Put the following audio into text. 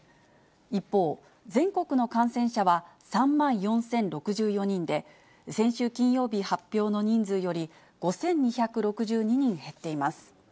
一方、全国の感染者は３万４０６４人で、先週金曜日発表の人数より５２６２人減っています。